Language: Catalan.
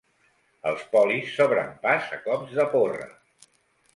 Els polis s'obren pas a cops de porra.